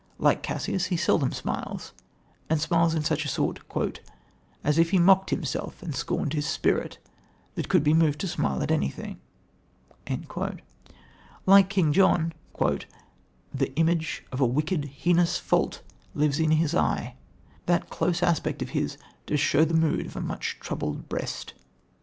Like Cassius, seldom he smiles, and smiles in such a sort "As if he mock'd himself and scorn'd his spirit That could be moved to smile at anything." Like King John, "The image of a wicked heinous fault Lives in his eye: that close aspect of his Does show the mood of a much troubled breast."